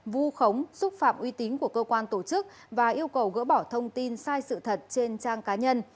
vu khống xúc phạm uy tín của cơ quan tổ chức và yêu cầu gỡ bỏ thông tin sai sự thật trên trang cá nhân